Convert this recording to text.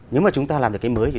nếu mà chúng ta làm được cái mới